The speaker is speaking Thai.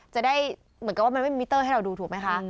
จะได้เหมือนกับว่ามันไม่มีมิเตอร์ให้เราดูถูกไหมคะ